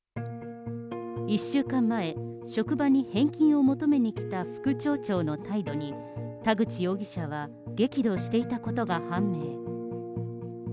１週間前、職場に返金を求めに来た副町長の態度に、田口容疑者は激怒していたことが判明。